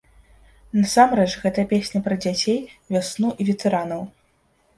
Насамрэч гэта песня пра дзяцей, вясну і ветэранаў.